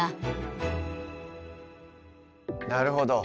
なるほど。